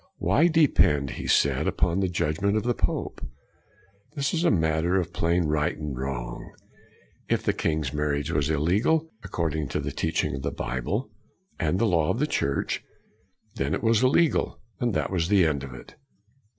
Why de pend, he said, upon the judgment of the pope? This is a matter of plain right and wrong. If the king's marriage was illegal, according to the teaching of the Bible and the law of the Church, then it was illegal, and that is the end of it.